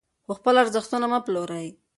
خو خپل ارزښتونه مه پلورئ.